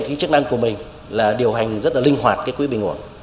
cái chức năng của mình là điều hành rất là linh hoạt cái quỹ bình ổn